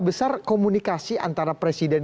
besar komunikasi antara presiden